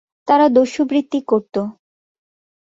তারা দস্যুবৃত্তি করতো।